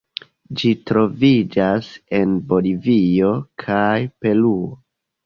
Ĝi troviĝas en Bolivio kaj Peruo.